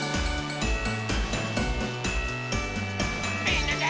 みんなで。